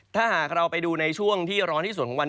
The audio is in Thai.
ถ้าหากเราไปดูในช่วงที่ร้อนที่สุดของวัน